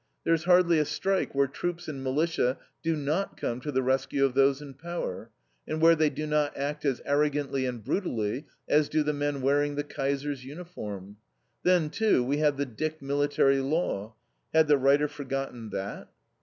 There is hardly a strike where troops and militia do not come to the rescue of those in power, and where they do not act as arrogantly and brutally as do the men wearing the Kaiser's uniform. Then, too, we have the Dick military law. Had the writer forgotten that?